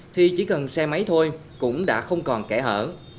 thì chỉ cần xe máy thôi cũng đã không còn kẻ hở